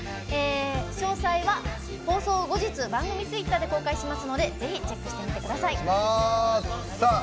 詳細は放送後日番組ツイッターで公開しますのでぜひチェックしてみてください。